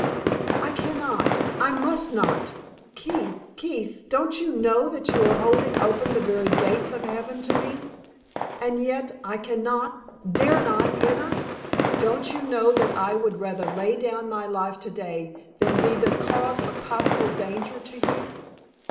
"I can not, I must not! Keith, Keith, don't you know that you are holding open the very gates of Heaven to me, and yet I can not, dare not, enter? Don't you know that I would rather lay down my life today than be the cause of possible danger to you?